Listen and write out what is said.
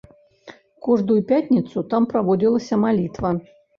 Кожную пятніцу там праводзілася малітва.